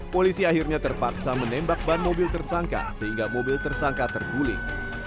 polisi akhirnya terpaksa menembak ban mobil tersangka sehingga mobil tersangka terguling